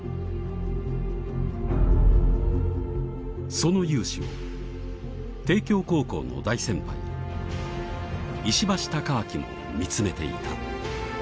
その雄姿を帝京高校の大先輩石橋貴明も見つめていた